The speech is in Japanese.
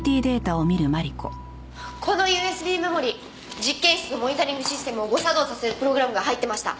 このＵＳＢメモリ実験室のモニタリングシステムを誤作動させるプログラムが入ってました。